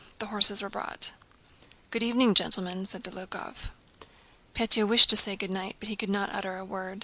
The horses were brought. "Good evening, gentlemen," said Dólokhov. Pétya wished to say "Good night" but could not utter a word.